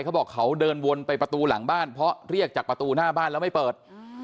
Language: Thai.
เขาบอกเขาเดินวนไปประตูหลังบ้านเพราะเรียกจากประตูหน้าบ้านแล้วไม่เปิด